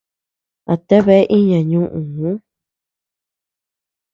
¿A takabea iña ñuʼüu?